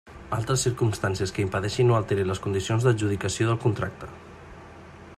Altres circumstàncies que impedeixin o alterin les condicions d'adjudicació del contracte.